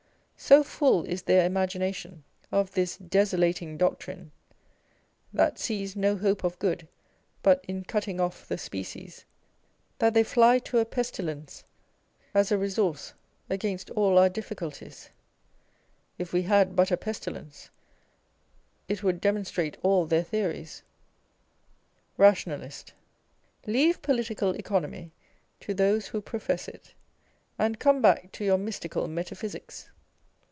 So full is their imagination of this desolating doctrine, that sees no hope of good but in cutting off the species, that they fly to a pestilence as a resource against all our difficultiesâ€" if we had but a pestilence, it would demonstrate all their theories ! Rationalist. Leave Political Economy to those who profess it, and come back to your mystical metaphysics.